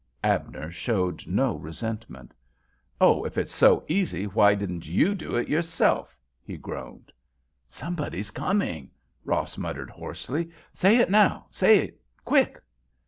Abner showed no resentment. "Oh, if it's so easy, why didn't you do it yourself?" he groaned. "Somebody's coming," Ross muttered, hoarsely. "Say it now. Say it quick."